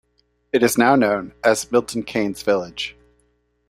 It is now known as "Milton Keynes Village".